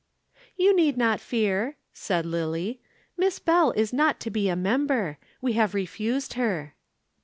"You need not fear," said Lillie. "Miss Bell is not to be a member. We have refused her."